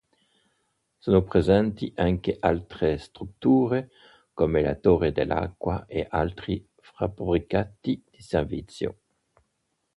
Sono presenti anche altre strutture come la torre dell'acqua e altri fabbricati di servizio.